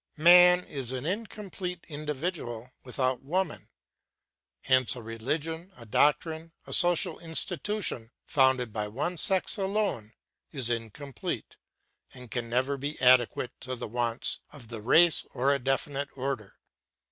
Man is an incomplete individual without woman. Hence a religion, a doctrine, a social institution founded by one sex alone is incomplete, and can never be adequate to the wants of the race or a definite order.